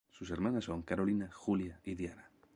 Sus hermanas son Carolina, Julia, y Diana.